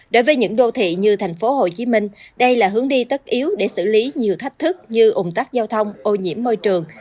đối với những đô thị như thành phố hồ chí minh đây là hướng đi tất yếu để xử lý nhiều thách thức như ủng tắc giao thông ô nhiễm môi trường